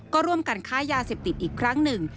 ก็ร่วมกันค้ายาเสพติดอีกครั้งหนึ่ง